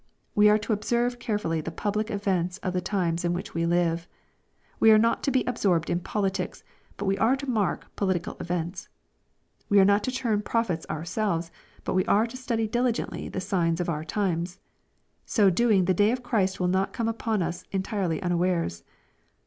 We are to observe carefully the public events of the times in which we live. We are not to be absorbed in politics, but we are to mark political events. We are not to turn prophets ourselves, but we are to study diligently the signs of our times. So doing, the day of Christ will not come upon us entirely unawares.